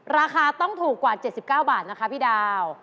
ราคาต้องถูกกว่า๗๙บาทนะคะพี่ดาว